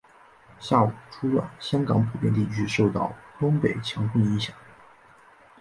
下午初段香港普遍地区受到东北强风影响。